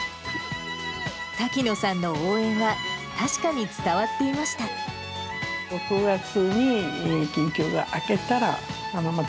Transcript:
滝野さんの応援は、確かに伝わっていました。